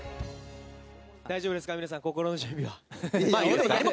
大丈夫ですか、皆さん、心の準備は。